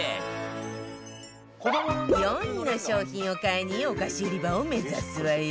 ４位の商品を買いにお菓子売り場を目指すわよ